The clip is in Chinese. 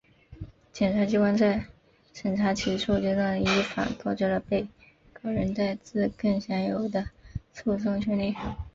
检察机关在审查起诉阶段依法告知了被告人戴自更享有的诉讼权利